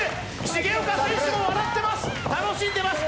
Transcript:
重岡選手も笑ってます。